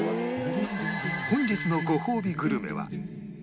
本日のごほうびグルメは